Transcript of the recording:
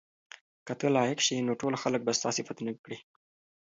که ته لایق شې نو ټول خلک به ستا ستاینه وکړي.